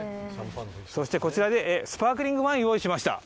そしてこちら、スパークリングワインを用意しました。